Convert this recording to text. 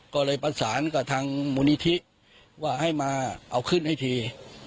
ก็เลยประสานกับทางมูลนิธิว่าให้มาเอาขึ้นให้ที